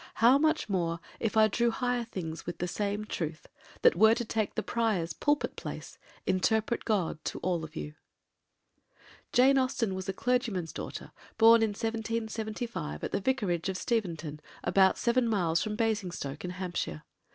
How much more If I drew higher things with the same truth! That were to take the Prior's pulpit place, Interpret God to all of you. Jane Austen was a clergyman's daughter, born in 1775 at the Vicarage of Steventon, about seven miles from Basingstoke, in Hampshire.